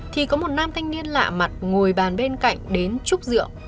thì có một nam thanh niên lạ mặt ngồi bàn bên cạnh đến chúc rượu